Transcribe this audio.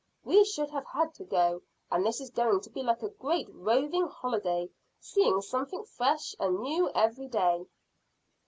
We should have had to go, and this is going to be like a great roving holiday, seeing something fresh and new every day."